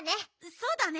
そうだね。